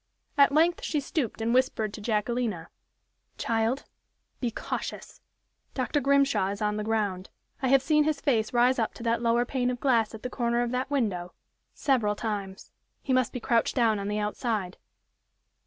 At length she stooped and whispered to Jacquelina: "Child, be cautious; Dr. Grimshaw is on the ground I have seen his face rise up to that lower pane of glass at the corner of that window, several times. He must be crouched down on the outside."